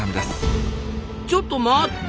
ちょっと待った！